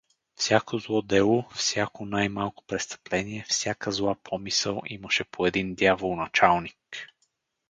Всяко зло дело, всяко най-малко престъпление, всяка зла помисъл имаше по един дявол-началник.